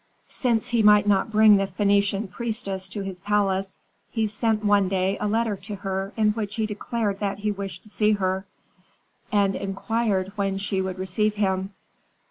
Since he might not bring the Phœnician priestess to his palace, he sent one day a letter to her in which he declared that he wished to see her, and inquired when she would receive him.